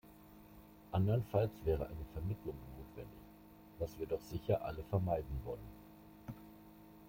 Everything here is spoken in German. Andernfalls wäre eine Vermittlung notwendig, was wir doch sicher alle vermeiden wollen.